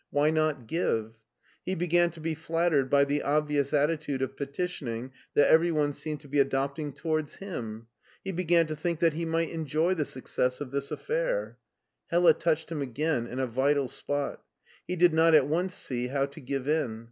Why not give? He began to be flattered by the obvious attitude of petitioning that every one seemed to be adopting towards him. He began to think he might enjoy the success of this af fair. Hella touched him again in a vital spot. He did not at once see how to give in.